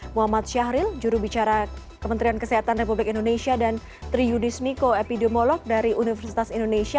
muhammad syahril jurubicara kementerian kesehatan republik indonesia dan tri yudis miko epidemiolog dari universitas indonesia